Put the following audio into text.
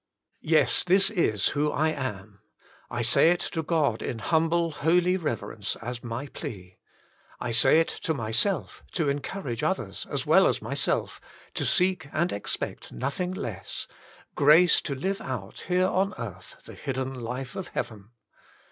Yes, this is who I am, I say it to God in humble, holy reverence, as my plea. I say it to myself to encourage others, as well as myself, to seek and expect nothing less — grace to live out, here on earth, the hidden life of heaven.